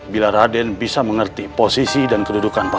bila raden bisa mengerti posisi dan kedudukan pasangan